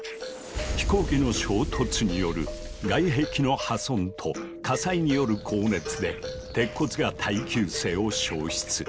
「飛行機の衝突による外壁の破損と火災による高熱で鉄骨が耐久性を消失。